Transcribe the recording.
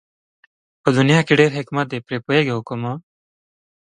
په دنيا کې ډېر حکمت دئ پرې پوهېږي حُکَما